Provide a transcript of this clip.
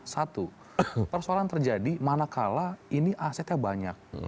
satu persoalan terjadi manakala ini asetnya banyak